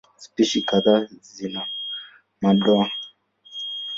Spishi kadhaa zina madoa.